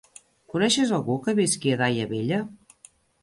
Coneixes algú que visqui a Daia Vella?